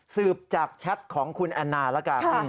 สืบจากแชทของคุณแอนนาแล้วกัน